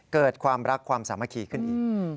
เกิดความรักความสามัคคีขึ้นอีก